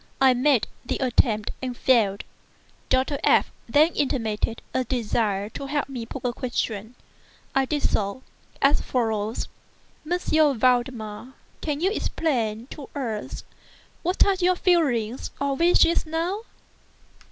I made the attempt and failed. Dr. F—— then intimated a desire to have me put a question. I did so, as follows: "M. Valdemar, can you explain to us what are your feelings or wishes now?"